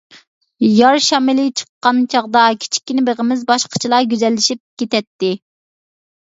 يار شامىلى چىققان چاغدا كىچىككىنە بېغىمىز باشقىچىلا گۈزەللىشىپ كېتەتتى.